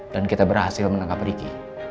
dan kita berhasil menangkap riki